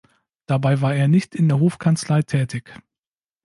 Dabei war er nicht in der Hofkanzlei tätig.